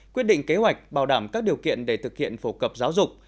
quyết định kế hoạch bảo đảm các điều kiện để thực hiện phổ cập giáo dục